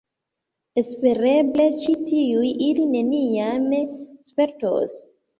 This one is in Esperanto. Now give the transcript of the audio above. Espereble ĉi tiujn ili neniam spertos.